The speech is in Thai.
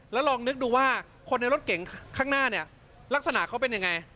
แล้วลองนึกดูว่าคนในรถเก่งข้างหน้าเนี่ยลักษณะเขาเป็นยังไง